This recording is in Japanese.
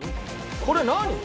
これ何？